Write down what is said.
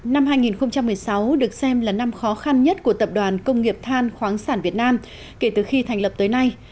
năm hai nghìn một mươi sáu được xem là năm khó khăn nhất của tập đoàn công nghiệp than khoáng sản việt nam kể từ khi thành lập tới nay